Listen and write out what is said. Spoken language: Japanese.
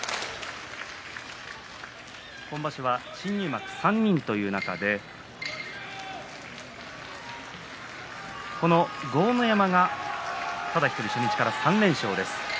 今場所は新入幕３人という中でこの豪ノ山が、ただ１人初日から３連勝です。